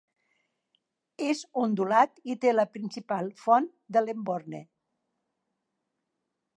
És ondulat i té la principal font de l'Enborne.